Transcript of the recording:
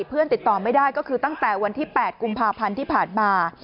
ติดต่อไม่ได้ก็คือตั้งแต่วันที่๘กุมภาพันธ์ที่ผ่านมา